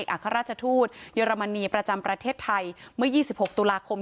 เอกอาศาราชทูตเยอรมณีประจำประเทศไทยเมื่อ๒๖ตุลาคมที่ผ่านมา